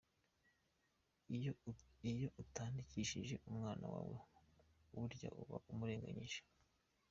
Iyo utandikishije umwana wawe burya uba umurenganyije.